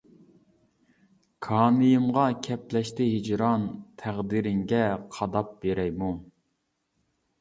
كانىيىمغا كەپلەشتى ھىجران، تەقدىرىڭگە قاداپ بېرەيمۇ؟ !